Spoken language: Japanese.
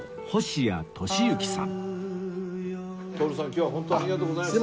今日はホントありがとうございました。